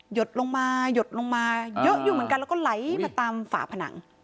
ดลงมาหยดลงมาเยอะอยู่เหมือนกันแล้วก็ไหลมาตามฝาผนัง